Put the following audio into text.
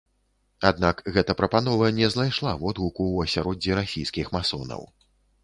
Аднак гэта прапанова не знайшла водгуку ў асяроддзі расійскіх масонаў.